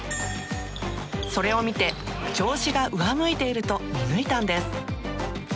それを見て、調子が上向いていると見抜いたんです。